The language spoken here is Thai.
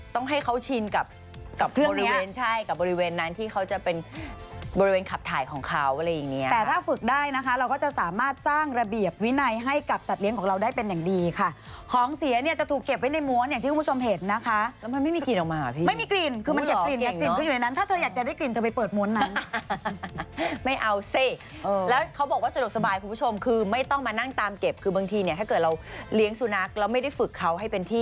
ของเสียเนี้ยจะถูกเก็บไว้ในม้วนอย่างที่คุณผู้ชมเห็นนะคะแล้วมันไม่มีกลิ่นออกมาหรอพี่ไม่มีกลิ่นคือมันเก็บกลิ่นอยู่ในนั้นถ้าเธออยากจะได้กลิ่นเธอไปเปิดม้วนนั้นไม่เอาสิเออแล้วเขาบอกว่าสะดวกสบายคุณผู้ชมคือไม่ต้องมานั่งตามเก็บคือบางทีเนี้ยถ้าเกิดเราเลี้ยงสุนัขเราไม่ได้ฝึกเขา